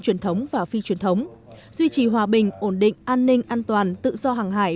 truyền thống và phi truyền thống duy trì hòa bình ổn định an ninh an toàn tự do hàng hải